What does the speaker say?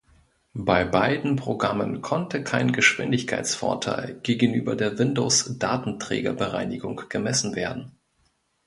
Bei beiden Programmen konnte kein Geschwindigkeitsvorteil gegenüber der Windows-Datenträgerbereinigung gemessen werden.